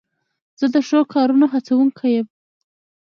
زه د ښو کارونو هڅوونکی یم.